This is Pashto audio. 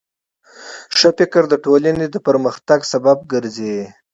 ښه فکر د ټولنې د پرمختګ سبب ګرځي.